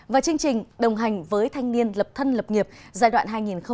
và chương trình đồng hành với thanh niên lập thân lập nghiệp giai đoạn hai nghìn hai mươi hai nghìn hai mươi hai